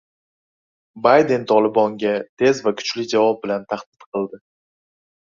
Bayden "Tolibon"ga tez va kuchli javob bilan tahdid qildi